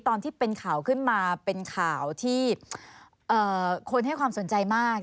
ตอนที่เป็นข่าวขึ้นมาเป็นข่าวที่คนให้ความสนใจมาก